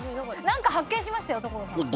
何か発見しましたよ所さん。